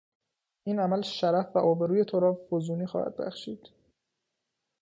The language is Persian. این عمل شرف و آبروی تو را فزونی خواهد بخشید.